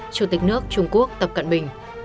chủ tịch nước trung quốc tập cận bình